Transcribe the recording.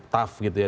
tough gitu ya